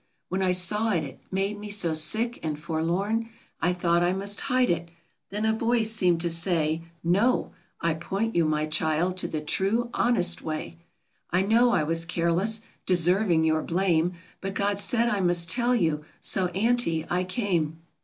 When I saw it it made me so sick and forlorn, I thought I must hide it. Then a voice seemed to say: 4 Ho ! I point you, my child, to the true, honest way.' I know I was careless — deserving your blame — But God said I must tell you, so Auntie, I came."